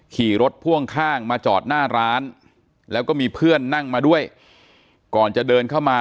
ขี่รถพ่วงข้างมาจอดหน้าร้านแล้วก็มีเพื่อนนั่งมาด้วยก่อนจะเดินเข้ามา